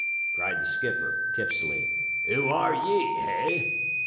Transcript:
cried the skipper, tipsily, "who are ye, hey?"